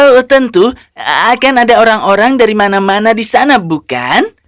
oh tentu akan ada orang orang dari mana mana di sana bukan